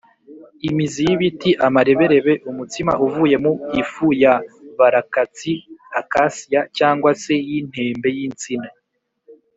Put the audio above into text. imizi y’ibiti, amareberebe, umutsima uvuye mu ifu ya barakatsi (acacia) cyangwa se y’intembe y’insina.